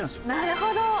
なるほど！